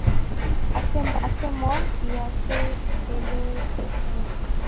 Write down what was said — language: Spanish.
H. Moore y H. L. Smith.